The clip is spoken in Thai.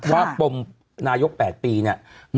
ว่าปมนายกแปดปีเนี่ย